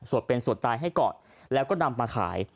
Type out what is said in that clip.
สวดเป็นสวดตายให้ก่อนแล้วก็นำมาขาย